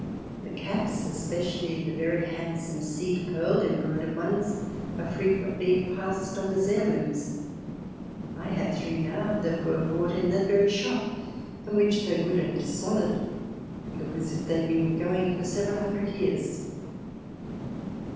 The caps, especially the very handsome seed pearl embroidered ones, are frequently passed on as heirlooms. I have three now that were bought in that very shop and which, though good and solid, look as if they had been going for several hundred years.